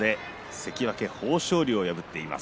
関脇豊昇龍を破っています。